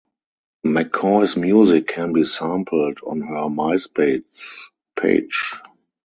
McCoy's music can be sampled on her MySpace page.